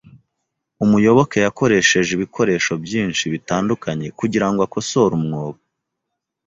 Umuyoboke yakoresheje ibikoresho byinshi bitandukanye kugirango akosore umwobo.